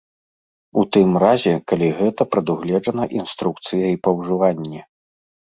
У тым разе, калі гэта прадугледжана інструкцыяй па ўжыванні.